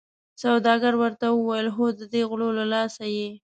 سوداګر ورته وویل هو ددې غلو له لاسه یې.